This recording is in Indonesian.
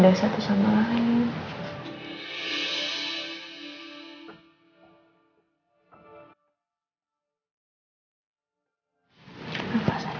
hari ini aku bisa berapalah schwierigwaran untuk beri perhatian fac mobil